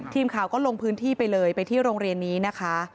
ทีมข่าวก็ลงพื้นที่ไปเลยไปที่โรงเรียนนี้นะคะ